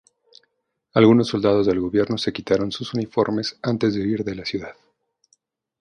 Algunos soldados del gobierno se quitaron sus uniformes antes de huir de la ciudad.